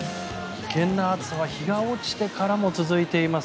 危険な暑さは日が落ちてからも続いています。